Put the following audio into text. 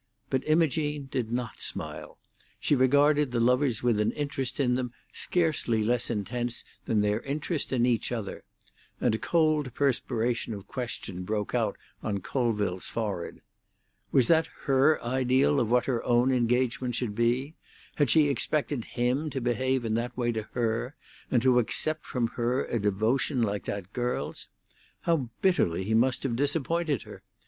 But Imogene did not smile; she regarded the lovers with an interest in them scarcely less intense than their interest in each other; and a cold perspiration of question broke out on Colville's forehead. Was that her ideal of what her own engagement should be? Had she expected him to behave in that way to her, and to accept from her a devotion like that girl's? How bitterly he must have disappointed her!